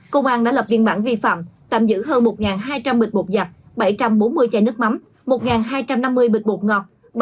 công an đã lập biên bản vi phạm tạm giữ hơn một hai trăm linh bịch bột giặt bảy trăm bốn mươi chai nước mắm một hai trăm năm mươi bịch bột ngọt